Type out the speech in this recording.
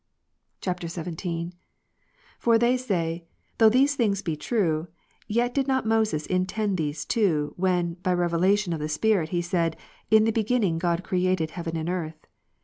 [XVII.] 24. For they say, " Though these things be true, yet did not Moses intend those two, when, by revelation of the Spirit, he said. In the beginning God created heaven and earth.